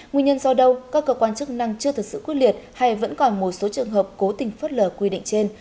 nguyên nhân do đâu các cơ quan chức năng chưa thật sự quyết liệt hay vẫn còn một số trường hợp cố tình phớt lờ quy định trên